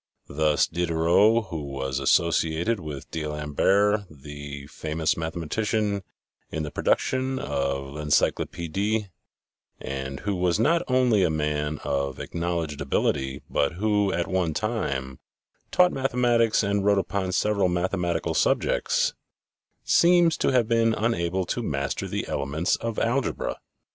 Thus Diderot, who was associated with d'Alembert, the famous mathe matician, in the production of " L' Encyclopedic," and who was not only a man of acknowledged ability, but who, at one time, taught mathematics and wrote upon several mathe matical subjects, seems to have been unable to master the elements of algebra.